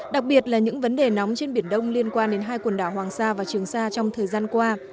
đặc biệt là những vấn đề nóng trên biển đông liên quan đến hai quần đảo hoàng sa và trường sa trong thời gian qua